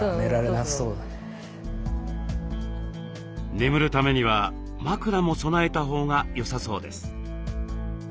眠るためには枕も備えたほうがよさそうです。